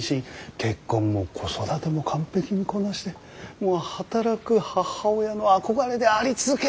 結婚も子育ても完璧にこなしてもう働く母親の憧れであり続ける人だからね。